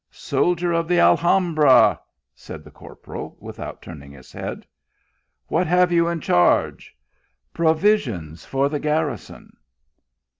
" Soldier of the Alhambra," said the corporal, without turning his head. " What have you in charge ?":" Provisions for the garrison."